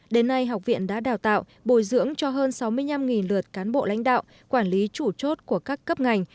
đến nay học viện đã đào tạo bồi dưỡng cho hơn sáu mươi năm lượt cán bộ lãnh đạo quản lý chủ chốt của các cấp ngành